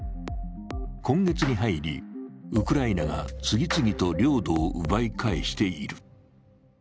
今月に入り、ウクライナが次々と領土を奪い返している。